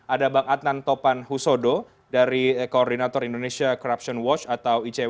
ada bang adnan topan husodo dari koordinator indonesia corruption watch atau icw